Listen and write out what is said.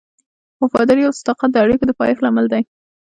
وفاداري او صداقت د اړیکو د پایښت لامل دی.